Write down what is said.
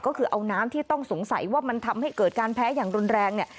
ก็คือเอาน้ำที่ต้องสงสัยว่ามันทำให้เกิดการแพ้อย่างรุนแรงเนี่ย